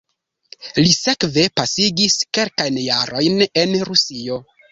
Li sekve pasigis kelkajn jarojn en Rusio.